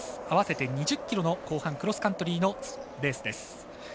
合わせて２０ｋｍの後半、クロスカントリーのレース。